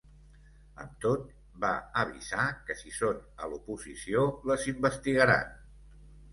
Amb tot, va avisar que si són a l’oposició les investigaran.